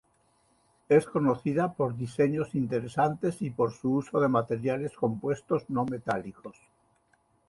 Es conocida por diseños interesantes y por su uso de materiales compuestos no metálicos.